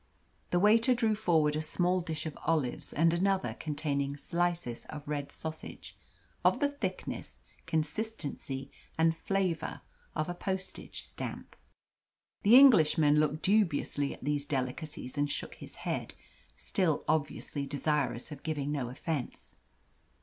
The waiter drew forward a small dish of olives and another containing slices of red sausage of the thickness, consistency, and flavour of a postage stamp. The Englishman looked dubiously at these delicacies and shook his head still obviously desirous of giving no offence.